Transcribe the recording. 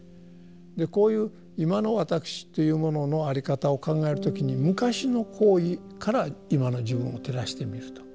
こういう今の私というもののあり方を考える時に昔の行為から今の自分を照らしてみると。